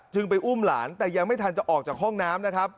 ไปอุ้มหลานแต่ยังไม่ทันจะออกจากห้องน้ำนะครับ